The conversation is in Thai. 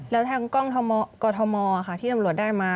แล้วทางกล้องกรทมที่ตำรวจได้มา